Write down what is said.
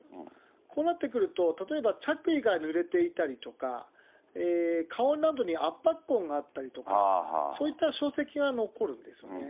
こうなってくると、例えば着衣がぬれていたりとか、顔などに圧迫痕があったりとか、そういった証跡が残るんですよね。